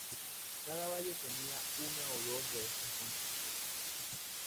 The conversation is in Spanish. Cada valle tenía una o dos de estas construcciones.